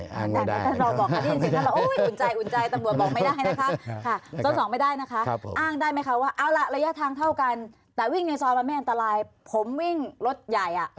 ผมวิ่งรถใหญ่ผมวิ่งถนนใหญ่ผมเจอรถบรรทุกผมเจอรถเม